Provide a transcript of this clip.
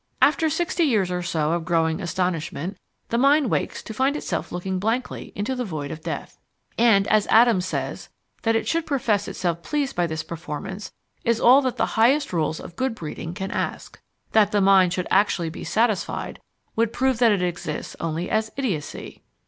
After sixty years or so of growing astonishment the mind wakes to find itself looking blankly into the void of death. And, as Adams says, that it should profess itself pleased by this performance is all that the highest rules of good breeding can ask. That the mind should actually be satisfied would prove that it exists only as idiocy!